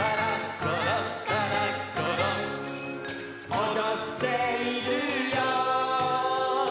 「おどっているよ」